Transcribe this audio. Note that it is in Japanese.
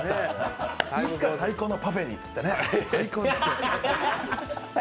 いつか最高のパフェにってね。